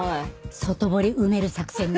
外堀埋める作戦ね。